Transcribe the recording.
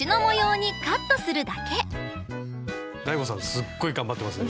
すっごい頑張ってますね